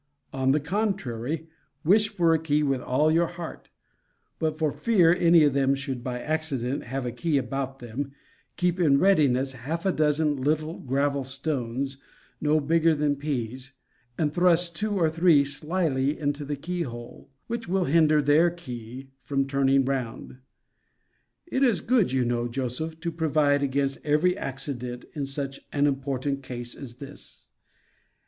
On the contrary, wish for a key with all your heart; but for fear any of them should by accident have a key about them, keep in readiness half a dozen little gravel stones, no bigger than peas, and thrust two or three slily into the key hole; which will hinder their key from turning round. It is good, you know, Joseph, to provide against every accident in such an important case, as this.